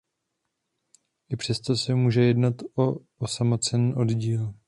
I přesto se může jednat o samostatný oddíl.